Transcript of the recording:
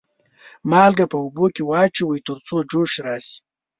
مالګه په اوبو کې واچوئ تر څو جوش راشي.